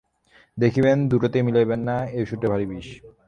দেখিবেন, দুইটাতে মিলাইবেন না, এ ওষুধটা ভারি বিষ।